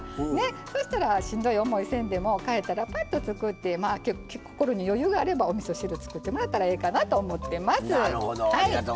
そうしたらしんどい思いせんでも帰ったら、ぱっと作って心に余裕があれば、おみそ汁作ってもらえたらと思います。